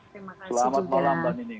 terima kasih juga